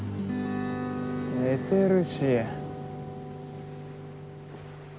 寝てるし。